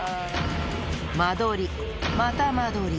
間取りまた間取り。